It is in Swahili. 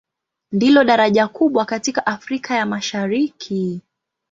Ndilo daraja kubwa katika Afrika ya Mashariki.